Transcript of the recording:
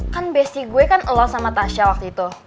kan besti gue kan lol sama tasha waktu itu